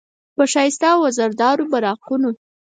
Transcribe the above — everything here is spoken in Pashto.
په ښایسته او وزردارو براقونو،